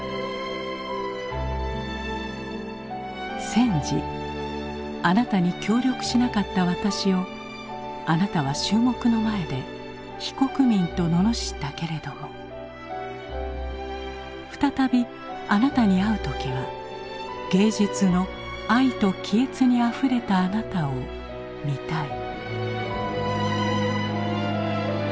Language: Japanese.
戦時あなたに協力しなかった私をあなたは衆目の前で『非国民』とののしったけれども再びあなたに会う時は芸術の愛と喜悦にあふれたあなたを見たい」。